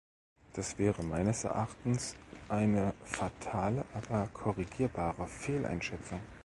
Das wäre meines Erachtens eine fatale, aber korrigierbare Fehleinschätzung.